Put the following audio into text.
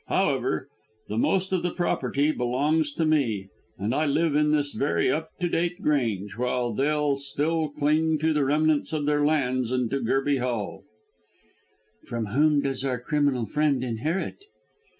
However, the most of the property belongs to me, and I live in this very up to date Grange, while they' still cling to the remnants of their lands and to Gerby Hall." "From whom does our criminal friend inherit?"